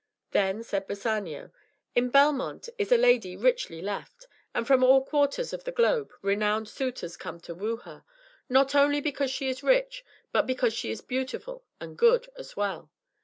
Then said Bassanio, "In Belmont is a lady richly left, and from all quarters of the globe renowned suitors come to woo her, not only because she is rich, but because she is beautiful and good as well.